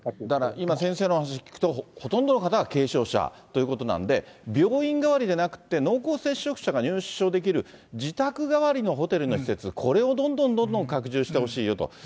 だから、今、先生のお話し聞くと、ほとんどの方が軽症者ということなんで、病院代わりでなくて、濃厚接触者が入所できる自宅代わりのホテルの施設、これをどんどんどんどん拡充してほしいよと。